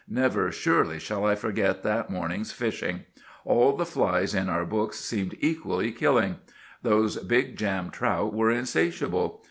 Never, surely, shall I forget that morning's fishing. All the flies in our books seemed equally killing. Those Big Jam trout were insatiable.